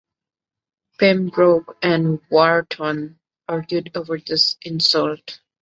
Pembroke and Wharton argued over this insult.